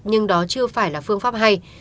nhưng đó chưa phải là phương pháp hay